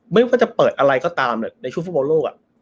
ไม่ว่าจะเปิดอะไรก็ตามในช่วงฟุตบอลโลก